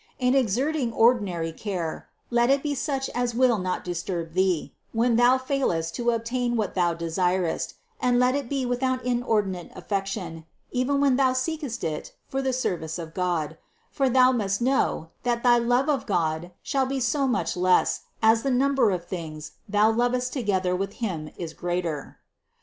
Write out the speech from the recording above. In exerting ordinary care, let it be such as will not disturb thee, when thou failest to obtain what thou desirest, and let it be without inordinate affection, even when thou seekest it for the service of God : for thou must know, that thy love of God shall be so much the less, as the number of things thou lovest together with Him is greater.